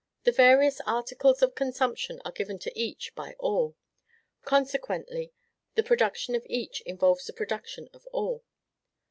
The various articles of consumption are given to each by all; consequently, the production of each involves the production of all.